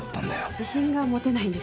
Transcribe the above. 自信が持てないんです。